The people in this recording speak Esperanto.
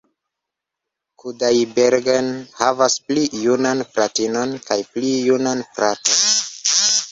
Kudaibergen havas pli junan fratinon kaj pli junan fraton.